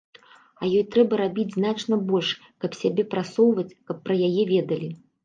А ёй трэба рабіць значна больш, каб сябе прасоўваць, каб пра яе ведалі.